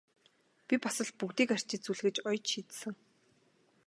Би бас л бүгдийг арчиж зүлгэж оёж шидсэн!